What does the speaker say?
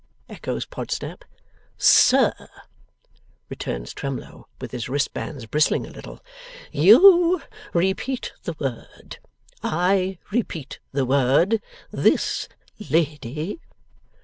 echoes Podsnap. 'Sir,' returns Twemlow, with his wristbands bristling a little, 'YOU repeat the word; I repeat the word. This lady.